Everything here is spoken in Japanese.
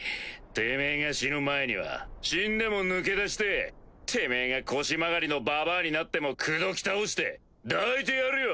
てめぇが死ぬ前には死んでも抜け出しててめぇが腰曲がりのばばあになっても口説きたおして抱いてやるよ。